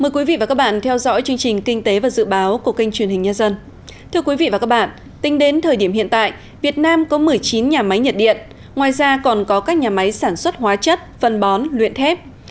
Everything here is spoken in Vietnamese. các bạn hãy đăng ký kênh để ủng hộ kênh của chúng mình nhé